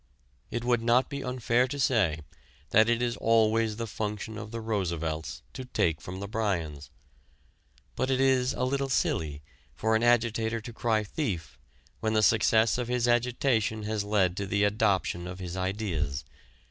It would not be unfair to say that it is always the function of the Roosevelts to take from the Bryans. But it is a little silly for an agitator to cry thief when the success of his agitation has led to the adoption of his ideas.